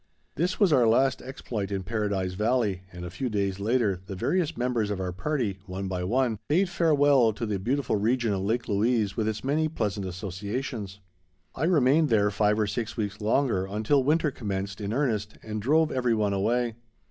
This was our last exploit in Paradise Valley, and a few days later the various members of our party, one by one, bade farewell to the beautiful region of Lake Louise with its many pleasant associations. I remained there five or six weeks longer until winter commenced in earnest and drove every one away.